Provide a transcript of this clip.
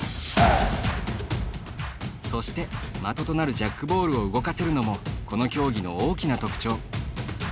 そして的となるジャックボールを動かせるのもこの競技の大きな特徴。